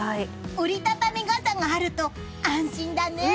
折り畳み傘があると安心だね！